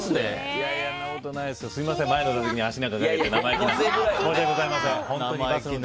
すみません、前に足をかけて生意気な。